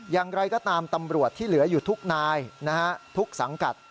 อย่างไรก็ตามตำรวจที่เหลืออยู่ทุกนายทุกสังกัด